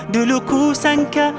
dulu ku sangka